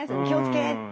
気をつけ！